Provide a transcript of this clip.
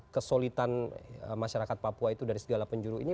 kesulitan masyarakat papua itu dari segala penjuru ini